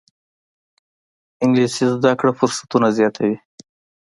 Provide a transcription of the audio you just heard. انګلیسي زده کړه فرصتونه زیاتوي